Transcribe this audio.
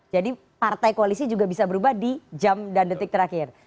jadi partai koalisi juga bisa berubah di jam dan detik terakhir